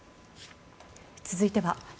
続いては。